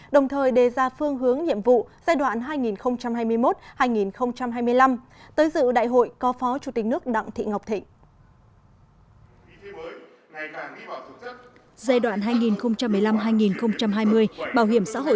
đồng thời đề ra phương hướng nhiệm vụ giai đoạn hai nghìn hai mươi một hai nghìn hai mươi năm tới dự đại hội có phó chủ tịch nước đặng thị ngọc thịnh